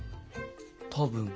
多分。